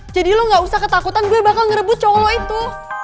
jadi lo gak usah ketakutan gue bakal ngerebut cowok lo itu